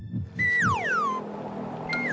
kamu bisa membalas dunia dengan doa